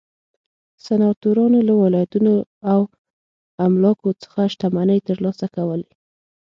سناتورانو له ولایتونو او املاکو څخه شتمنۍ ترلاسه کولې.